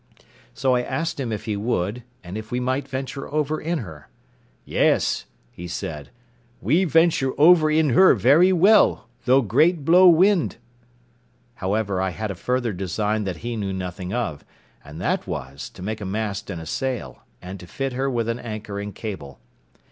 So I asked him if he would, and if we might venture over in her. "Yes," he said, "we venture over in her very well, though great blow wind." However I had a further design that he knew nothing of, and that was, to make a mast and a sail, and to fit her with an anchor and cable.